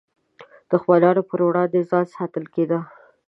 دښمنانو پر وړاندې ځان ساتل کېده.